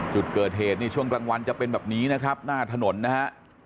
จุดเกิดเหตุนี่ช่วงกลางวันจะเป็นแบบนี้นะครับหน้าถนนนะฮะ